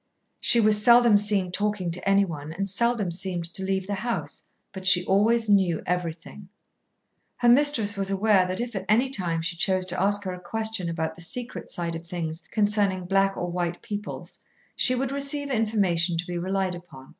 She was seldom seen talking to anyone and seldom seemed to leave the house, but she always knew everything. Her mistress was aware that if at any time she chose to ask her a question about the secret side of things concerning black or white peoples, she would receive information to be relied upon.